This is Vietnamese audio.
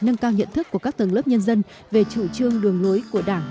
nâng cao nhận thức của các tầng lớp nhân dân về chủ trương đường lối của đảng